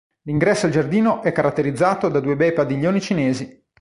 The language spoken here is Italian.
L'ingresso al giardino è caratterizzato da due bei padiglioni cinesi.